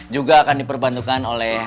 juga akan diperbantukan oleh